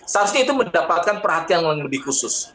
seharusnya itu mendapatkan perhatian yang lebih khusus